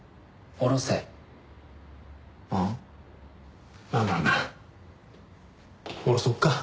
下ろそっか。